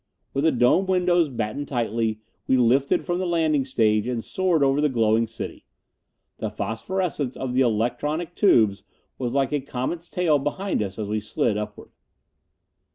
With the dome windows battened tightly, we lifted from the landing stage and soared over the glowing city. The phosphorescence of the electronic tubes was like a comet's tail behind us as we slid upward.